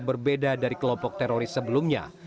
berbeda dari kelompok teroris sebelumnya